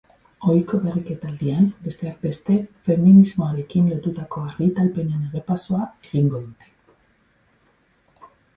Ohiko berriketaldian, besteak beste, feminismoarekin lotutako argitalpenen errepasoa egingo dute.